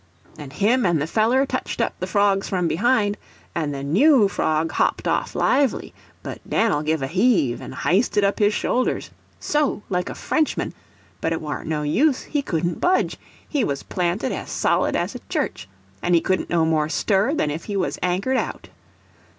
and him and the feller touched up the frogs from behind, and the new frog hopped off lively, but Dan'l give a heave, and hysted up his shoulders—so—like a Frenchman, but it warn't no use—he couldn't budge; he was planted as solid as a church, and he couldn't no more stir than if he was anchored out.